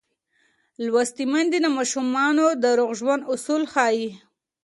لوستې میندې د ماشومانو د روغ ژوند اصول ښيي.